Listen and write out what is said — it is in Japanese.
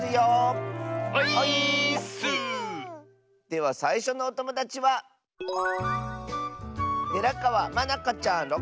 ではさいしょのおともだちはまなかちゃんの。